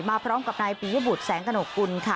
พร้อมกับนายปียบุตรแสงกระหนกกุลค่ะ